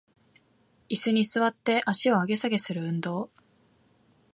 イスに座って足を上げ下げする運動